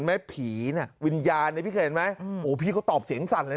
ไหมผีน่ะวิญญาณเนี่ยพี่เคยเห็นไหมโอ้พี่ก็ตอบเสียงสั่นเลย